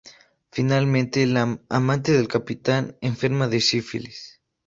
Finalmente, la amante del capitán enferma de sífilis.